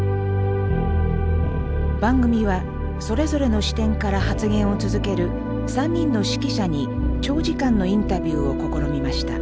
番組はそれぞれの視点から発言を続ける３人の識者に長時間のインタビューを試みました。